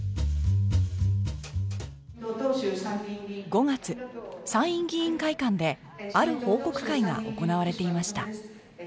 ５月参院議員会館である報告会が行われていました